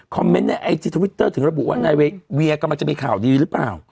เมนต์ในไอจีทวิตเตอร์ถึงระบุว่านายเวียกำลังจะมีข่าวดีหรือเปล่า